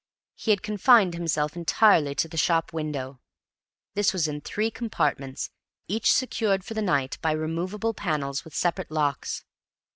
He had confined himself entirely to the shop window. This was in three compartments, each secured for the night by removable panels with separate locks.